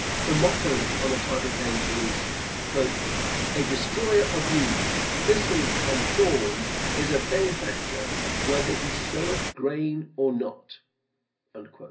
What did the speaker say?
The motto on the title page is, "A destroyer of weeds, thistles and thorns is a benefactor, whether he soweth grain or not."